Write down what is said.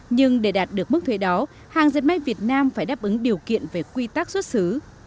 nhưng để đạt được mức thuế đó hàng dệt may việt nam phải đáp ứng điều kiện về quy tắc xuất xứ